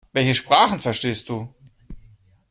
Welche Sprachen verstehst du?